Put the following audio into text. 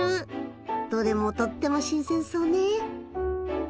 どれもとっても新鮮そうね！